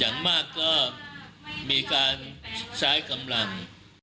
อย่างมากก็มีการใช้กำลัง